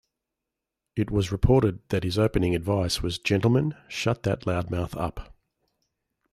It was reported that his opening advice was Gentlemen, shut that loudmouth up!